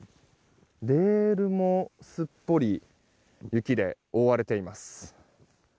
レールも、すっぽり雪で覆われています。